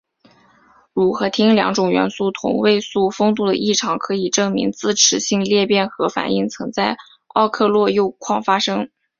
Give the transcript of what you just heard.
钕和钌两种元素同位素丰度的异常可以证明自持性裂变核反应曾在奥克洛铀矿发生。